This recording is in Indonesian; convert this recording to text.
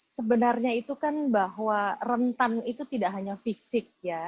sebenarnya itu kan bahwa rentan itu tidak hanya fisik ya